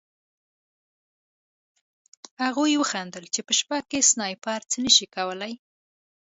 هغوی وخندل چې په شپه کې سنایپر څه نه شي کولی